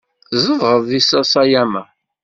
Tzedɣeḍ di Sasayama?